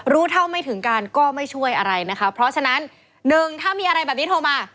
รู้เท่าไม่ถึงการก็ไม่ช่วยอะไรนะคะเพราะฉะนั้นหนึ่งถ้ามีอะไรแบบนี้โทรมา